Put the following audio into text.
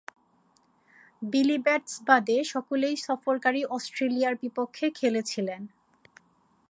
বিলি বেটস বাদে সকলেই সফরকারী অস্ট্রেলিয়ার বিপক্ষ খেলেছিলেন।